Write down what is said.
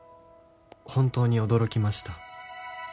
「本当に驚きました」